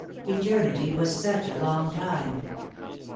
Eternity was such a long time.